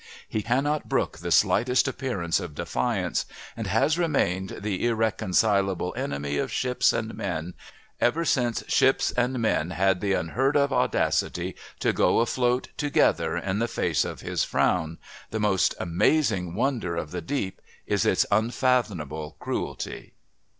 He cannot brook the slightest appearance of defiance, and has remained the irreconcilable enemy of ships and men ever since ships and men had the unheard of audacity to go afloat together in the face of his frown ... the most amazing wonder of the deep is its unfathomable cruelty."